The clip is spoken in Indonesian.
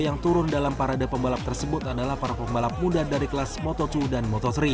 yang turun dalam parade pembalap tersebut adalah para pembalap muda dari kelas moto dua dan moto tiga